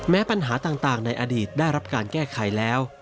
ปัญหาต่างในอดีตได้รับการแก้ไขแล้ว